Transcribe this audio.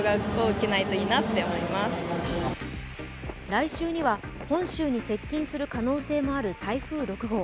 来週には本州に接近する可能性もある台風６号。